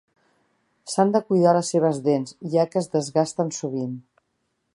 S'han de cuidar les seves dents, ja que es desgasten sovint.